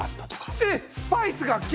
えっスパイスが金！